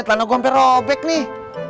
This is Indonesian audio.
ternyata gue hampir robek nih